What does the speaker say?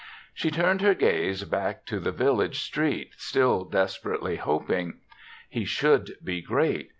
She turned her gaze back to the village street, still desperately hop ing. He should be great.